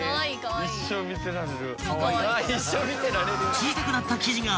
［小さくなった生地が］